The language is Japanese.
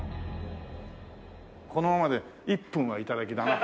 このままで１分は頂きだな。